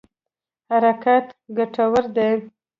حرکت ګټور دی.